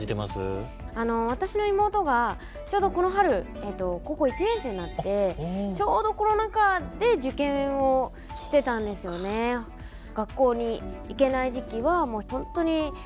あの私の妹がちょうどこの春高校１年生になってちょうどコロナ禍で受験をしてたんですよね。ってすごい思いますね。